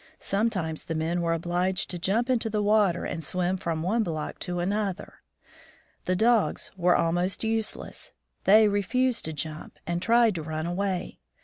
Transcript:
Sometimes the men were obliged to jump into the water and swim from one block to another. The dogs were almost useless ; they refused to jump, and tried to run away.